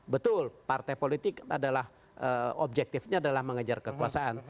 betul partai politik adalah objektifnya adalah mengejar kekuasaan